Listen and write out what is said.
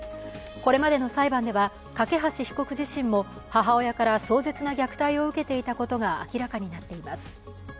これまでの裁判では梯被告自身も母親から壮絶な虐待を受けていたことが明らかになっています。